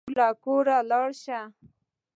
زموږ له کوره لاړ شه.